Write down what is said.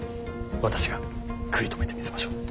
私が食い止めてみせましょう。